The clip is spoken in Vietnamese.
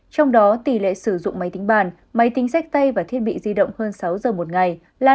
trong đó tỷ lệ sử dụng máy tính bàn máy tính xách tay và thiết bị di động hơn sáu giờ một ngày là năm mươi tám bảy